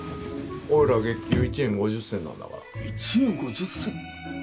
おいら月給１円５０銭なんだから１円５０銭！？